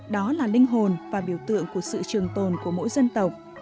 đó là linh hồn và biểu tượng của sự trường tồn của mỗi dân tộc